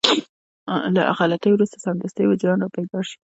له غلطي وروسته سمدستي وجدان رابيدار شي.